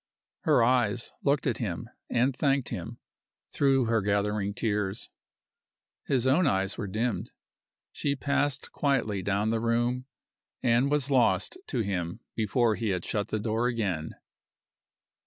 Her eyes looked at him, and thanked him, through her gathering tears. His own eyes were dimmed. She passed quietly down the room, and was lost to him before he had shut the door again.